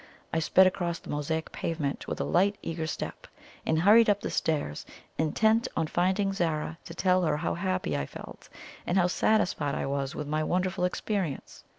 I sped across the mosaic pavement with a light eager step, and hurried up the stairs, intent on finding Zara to tell her how happy I felt, and how satisfied I was with my wonderful experience.